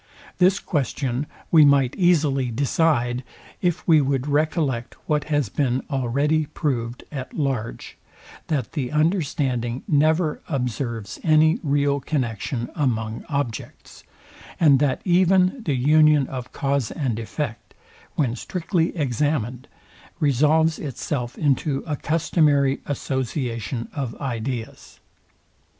This question we might easily decide, if we would recollect what has been already proud at large, that the understanding never observes any real connexion among objects, and that even the union of cause and effect, when strictly examined, resolves itself into a customary association of ideas.